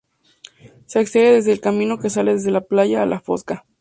Se accede desde un camino que sale desde la playa de la Fosca.